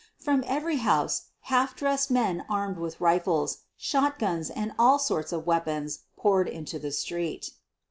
From every house half dressed men armed with rifles, shotguns, and all sorts of weapons poured into the street.